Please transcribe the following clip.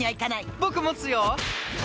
僕、持つよ！